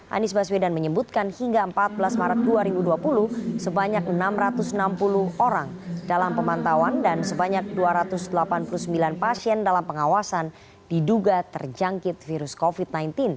anies baswedan menyebutkan hingga empat belas maret dua ribu dua puluh sebanyak enam ratus enam puluh orang dalam pemantauan dan sebanyak dua ratus delapan puluh sembilan pasien dalam pengawasan diduga terjangkit virus covid sembilan belas